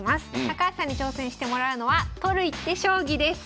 高橋さんに挑戦してもらうのは取る一手将棋です！